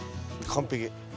完璧。